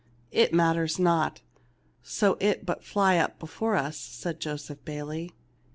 " It matters not, so it but fly up before us," said Joseph Bayley.